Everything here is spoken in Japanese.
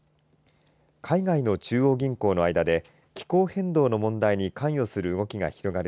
海外の中央銀行の間で気候変動の問題に関与する動きが広がる